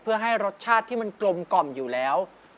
เพื่อให้รสชาติที่มันกลมกล่อมอยู่แล้ว